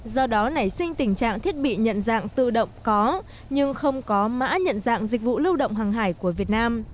do đó nảy sinh tình trạng thiết bị nhận dạng tự động có nhưng không có mã nhận dạng dịch vụ lưu động hàng hải của việt nam